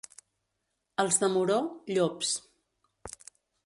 Els de Moror, llops.